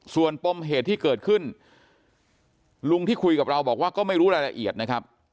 ส่วนปมเหตุที่เกิดขึ้นลุงที่คุยกับเราบอกว่าก็ไม่รู้รายละเอียดนะครับ